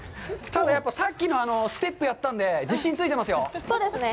ただ、さっきのステップをやったので、自信付いてますよ。